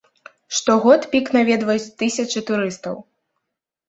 Штогод пік наведваюць тысячы турыстаў.